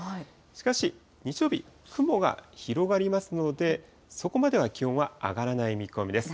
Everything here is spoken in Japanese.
しかし、日曜日、雲が広がりますので、そこまでは気温は上がらない見込みです。